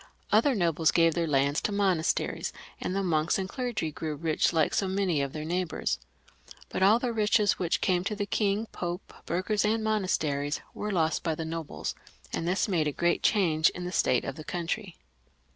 Other nobles gave their lands to monasteries, and the monks and clergy grew rich like so many of their neighbours. But all the riches which came to the King, Pope, burghers, and monasteries, were lost by the nobles, and this made a great change in the state of the country.